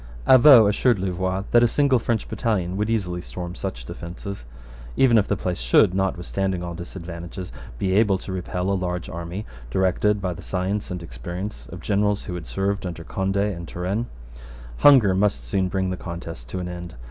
Avaux assured Louvois that a single French battalion would easily storm such defences. Even if the place should, notwithstanding all disadvantages, be able to repel a large army directed by the science and experience of generals who had served under Conde and Turenne, hunger must soon bring the contest to an end.